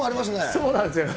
そうなんですよ。